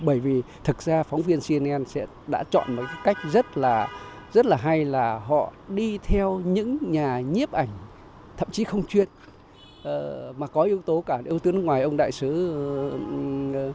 bởi vì thực ra phóng viên cnn đã chọn một cách rất là hay là họ đi theo những nhà nhiếp ảnh thậm chí không truyền mà có yếu tố cả yếu tố nước ngoài ông đại sứ tây ban nha